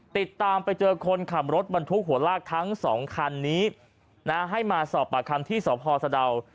ติดตามไปเจอคนขับรถบันทุกข์หัวลากทั้ง๒คันนี้ให้มาสอบประคันที่สศสะดาว